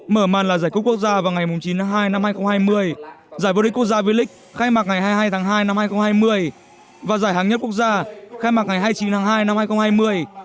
mở màn là giải quốc gia vào ngày chín tháng hai năm hai nghìn hai mươi giải vô địch quốc gia v league khai mạc ngày hai mươi hai tháng hai năm hai nghìn hai mươi và giải hàng nhất quốc gia khai mạc ngày hai mươi chín tháng hai năm hai nghìn hai mươi